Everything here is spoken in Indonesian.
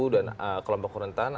dan kelompok rentan